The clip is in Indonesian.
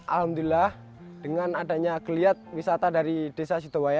alhamdulillah dengan adanya geliat wisata dari desa sidowaya